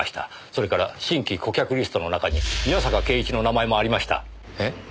それから新規顧客リストの中に宮坂敬一の名前もありました。え？